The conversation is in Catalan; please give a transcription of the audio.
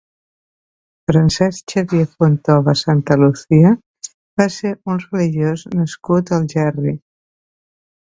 Francesc Xavier Fontova Santallucia va ser un religiós nascut a Algerri.